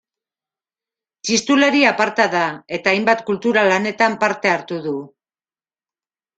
Txistulari aparta da eta hainbat kultura lanetan parte hartu du.